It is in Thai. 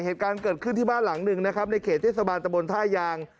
เหตุการณ์เกิดขึ้นที่บ้านหลังหนึ่งนะครับในเขตเทศบาลตะบนท่ายาง